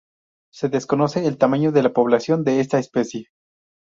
Se desconoce el tamaño de la población de esta especie.